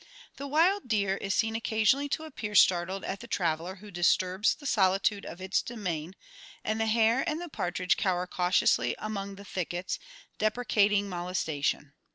The wild deer is seen occasionally to appear startled at the traveller who disturbs the solitude of its domain, and the hare and the partridge cower cautiously among the thickets, deprecating molestation.